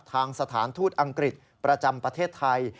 สถานทูตอังกฤษประจำประเทศไทย